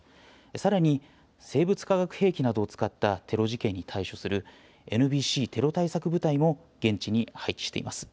さらに生物・化学兵器などを使ったテロ事件に対処する、ＮＢＣテロ対策部隊も現地に配置しています。